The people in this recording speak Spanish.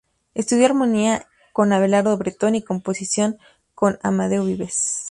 Estudió armonía con Abelardo Bretón y composición con Amadeo Vives.